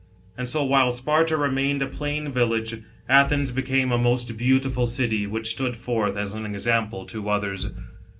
And so while Sparta remained a plain village, Athens became a most beautiful city, which stood forth as an example to others.